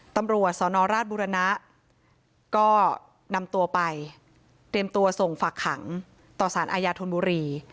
ตำรวจสนราชบุรณะก็นำตัวไปเตรียมตัวส่งฝากขังต่อสารอาญาธนบุรี